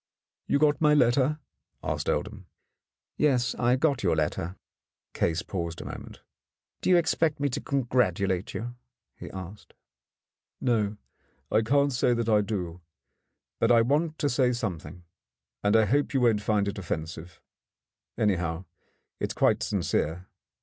"You got my letter?" asked Oldham. "Yes, I got your letter." Case paused a moment. "Do you expect me to congratulate you?" he asked. "No, I can't say that I do. But I want to say something, and I hope you won't find it offensive. Anyhow, it is quite sincere.